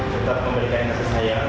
tetap memberikan kasih sayang